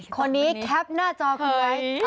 คนนี้แคปหน้าจอเคย